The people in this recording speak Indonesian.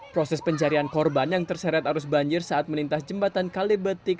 proses pencarian korban yang terseret arus banjir saat melintas jembatan kalibetik